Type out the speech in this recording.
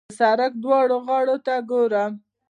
د سړک دواړو غاړو ته ګورم.